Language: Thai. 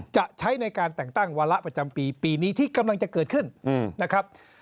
จะใช้ในการแต่งตั้งวาระประจำปีปีนี้ที่กำลังจะเกิดขึ้นนะครับ